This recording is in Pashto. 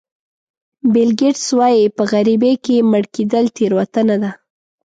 بیل ګېټس وایي په غریبۍ کې مړ کېدل تېروتنه ده.